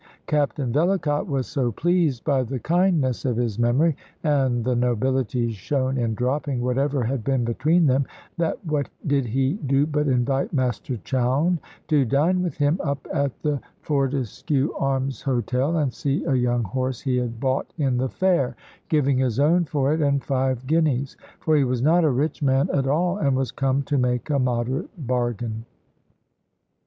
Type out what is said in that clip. Captain Vellacott was so pleased by the kindness of his memory, and the nobility shown in dropping whatever had been between them, that what did he do but invite Master Chowne to dine with him up at the Fortescue Arms Hotel, and see a young horse he had bought in the fair, giving his own for it and five guineas; for he was not a rich man at all, and was come to make a moderate bargain.